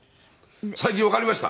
最近わかりました。